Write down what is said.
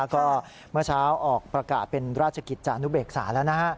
ก็เมื่อเช้าออกประกาศเป็นราชกิจจานุเบกษาแล้วนะฮะ